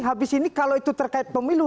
habis ini kalau itu terkait pemilu